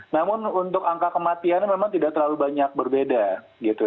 namun untuk angka kematiannya memang tidak terlalu banyak berbeda gitu